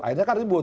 akhirnya kan ribut